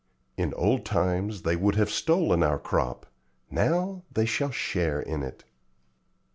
In old times they would have stolen our crop; now they shall share in it."